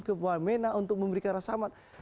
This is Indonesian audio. ke wamena untuk memberikan rasa aman